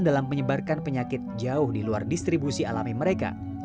dalam menyebarkan penyakit jauh di luar distribusi alami mereka